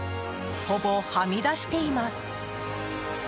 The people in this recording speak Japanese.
ほぼ、はみ出しています。